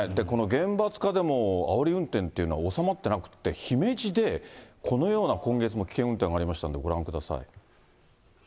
この厳罰化でもあおり運転っていうのは収まってなくて、姫路でこのような、今月も危険運転がありましたのでご覧ください。